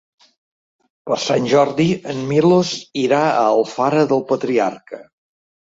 Per Sant Jordi en Milos irà a Alfara del Patriarca.